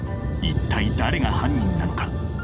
一体誰が犯人なのか。